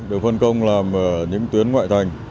được phân công làm những tuyến ngoại thành